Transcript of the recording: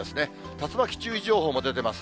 竜巻注意情報も出てます。